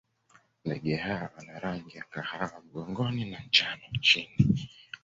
Ndege hawa wana rangi ya kahawa mgongoni na njano chini.